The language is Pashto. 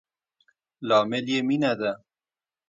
لامل يي مينه ده